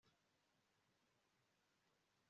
nki izi zikurikira ndi umunyabyaha